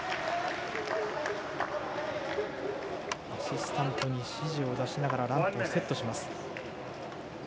アシスタントに指示を出しながらランプをセットします。